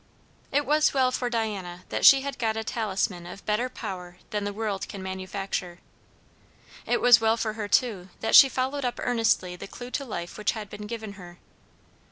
It was well for Diana that she had got a talisman of better power than the world can manufacture. It was well for her, too, that she followed up earnestly the clue to life which had been given her.